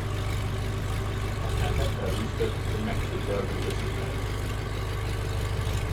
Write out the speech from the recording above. Aztán vette az üstöt, hogy megfőzze a bűvös italt.